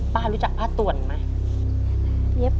ป้ารู้จักป้าตวนไหม